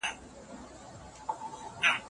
تاريخ يو دوراني حرکت لري.